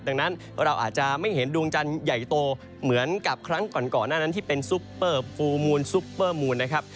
ดังนั้นเราอาจจะไม่เห็นดวงจันทร์ใหญ่โตเหมือนกับครั้งก่อนก่อนหน้านั้นที่เป็นซุปเปอร์ฟูลมูลซุปเปอร์มูลนะครับ